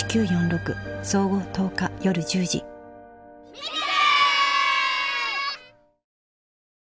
見てね！